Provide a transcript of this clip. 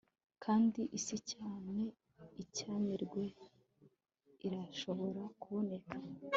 Kandi isi cyane icyarimwe irashobora kuboneka